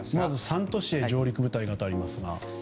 ３都市へ上陸部隊がとありますが。